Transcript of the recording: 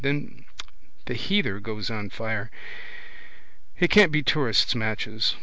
Then the heather goes on fire. It can't be tourists' matches.